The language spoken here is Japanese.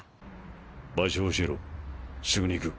場所を教えろすぐに行く。